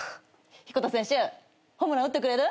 ヒコタ選手ホームラン打ってくれる？